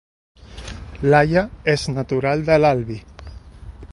Laia és natural de l'Albi